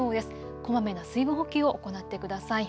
こまめな水分補給を行ってください。